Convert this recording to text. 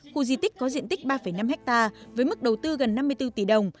khu di tích có diện tích ba năm ha với mức đầu tư gần năm mươi bốn tỷ đồng